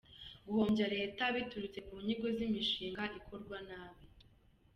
Guhombya leta biturutse ku nyigo z’imishinga ikorwa nabi .